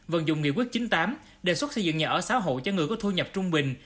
vận dụng nghị quyết chín mươi tám đề xuất xây dựng nhà ở xã hội cho người có thu nhập trung bình